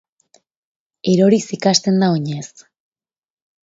Eroriz ikasten da oinez.